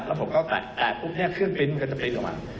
แล้วผมก็แตะแตะปุ๊บเนี่ยเครื่องปริ้นต์มันก็จะปริ้นต์ออกมา